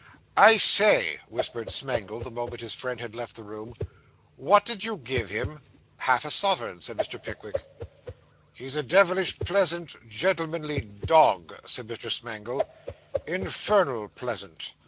'I say,' whispered Smangle, the moment his friend had left the room; 'what did you give him?' 'Half a sovereign,' said Mr. Pickwick. 'He's a devilish pleasant gentlemanly dog,' said Mr. Smangle; 'infernal pleasant.